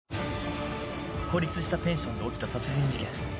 孤立したペンションで起きた殺人事件